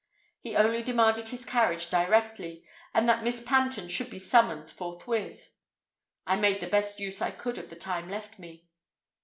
He only demanded his carriage "directly" and that Miss Panton should be summoned forthwith. I made the best use I could of the time left me.